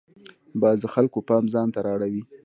باز د خلکو پام ځان ته را اړوي